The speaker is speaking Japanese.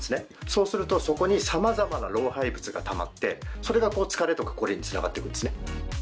そうするとそこに様々な老廃物がたまってそれが疲れとか凝りに繋がっていくんですね。